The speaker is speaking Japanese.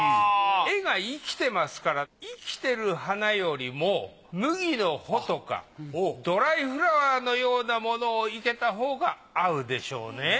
絵が生きてますから生きてる花よりも麦の穂とかドライフラワーのようなものを生けたほうが合うでしょうね。